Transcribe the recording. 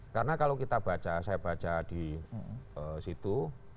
karena kalau kita baca saya baca di situ